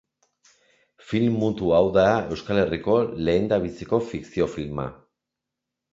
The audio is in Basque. Film mutu hau da Euskal Herriko lehendabiziko fikzio filma.